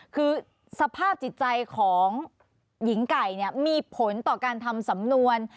คือสภาพจิตใจของหญิงไก่มีผลต่อการทำสำนวน